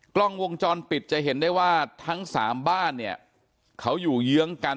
กล้องวงจรปิดจะเห็นได้ว่าทั้งสามบ้านเนี่ยเขาอยู่เยื้องกัน